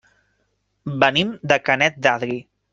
Venim de Canet d'Adri.